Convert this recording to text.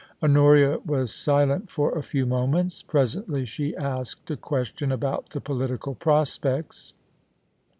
Honoria was silent for a few moments. Presently she asked a question about the political prospects.